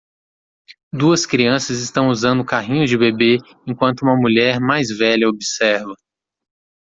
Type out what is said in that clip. Duas crianças estão usando carrinhos de bebê enquanto uma mulher mais velha observa.